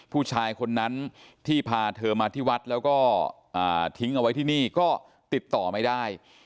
ผู้ชายคนนั้นที่พาเธอมาที่วัดแล้วก็ทิ้งเอาไว้ที่นี่ก็ติดต่อไม่ได้